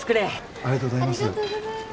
ありがとうございます。